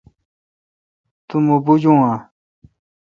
تو مہ بوجو اؘ۔